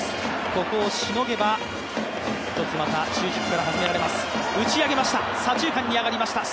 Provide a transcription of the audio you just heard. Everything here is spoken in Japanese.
ここをしのげば１つまた中軸から始められます。